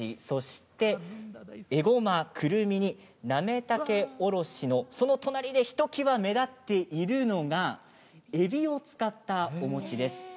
そして、えごま、くるみなめたけおろしその隣でひときわ目立っているのがえびを使ったお餅です。